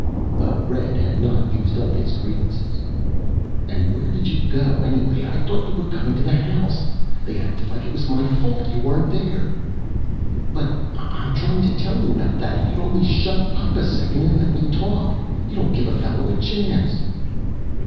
But Red had not used up his grievances. "And where did you go anyway? I thought you were coming to the house. They acted like it was my fault you weren't there." "But I'm trying to tell you about that, if you'd only shut up a second and let me talk. You don't give a fellow a chance."